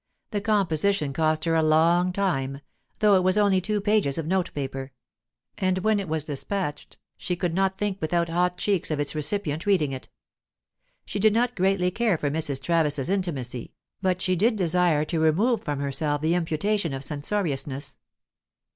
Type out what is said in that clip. The composition cost her a long time, though it was only two pages of note paper; and when it was despatched, she could not think without hot cheeks of its recipient reading it She did not greatly care for Mrs. Travis's intimacy, but she did desire to remove from herself the imputation of censoriousness.